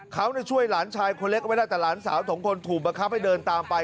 เขาช่วยหลานชายคนเล็กไว้ได้แต่หลานสาวสองคนถูกบังคับให้เดินตามไป